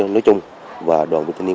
nói chung và đoàn viên thanh niên